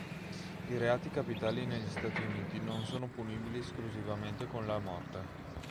I reati capitali negli Stati Uniti non sono punibili esclusivamente con la morte.